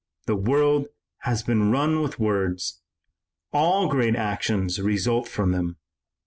The world has been run with words. All great actions result from them.